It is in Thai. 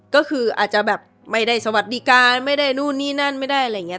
ก็คืออาจจะแบบไม่ได้สวัสดิการไม่ได้นู่นนี่นั่นไม่ได้อะไรอย่างนี้